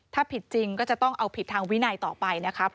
ถ้าผิดจริงก็จะต้องเอาผิดทางวินัยต่อไปนะคะ